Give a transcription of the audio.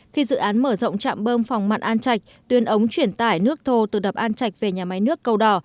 khi dự án mở rộng trạm bơm phòng mặn an trạch tuyên ống chuyển tải nước thô từ đập an trạch về nhà máy nước cầu đỏ